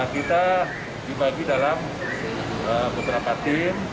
kita dibagi dalam beberapa tim